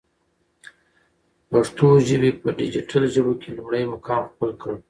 پښتو ژبی په ډيجيټل ژبو کی لمړی مقام خپل کړ.